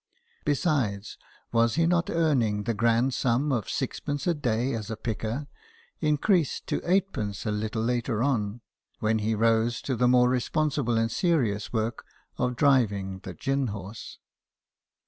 Besides, was he not earning the grand sum of sixpence a day as picker, increased to eightpence a little later on, when he rose to the more responsible and serious work of driving the gin horse